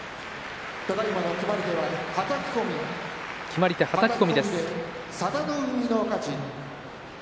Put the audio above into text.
決まり手、はたき込みです。